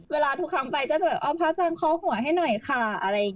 เวลาทุกคำไปก็จะพระอาจารย์ขอหัวให้หน่อยค่ะ